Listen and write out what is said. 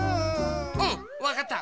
うんわかった。